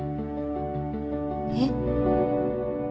えっ？